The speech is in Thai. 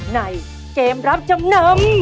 ในเกมรับจำนำ